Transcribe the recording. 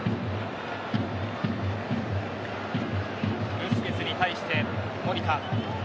ブスケツに対して守田。